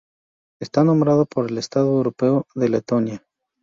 Está nombrado por el estado europeo de Letonia.